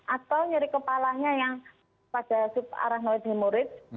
atau nyeri kepalanya yang pada sub aranoid hemorrhoid